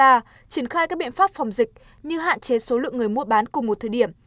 triển khai các biện pháp phòng dịch như hạn chế số lượng người mua bán cùng một thời điểm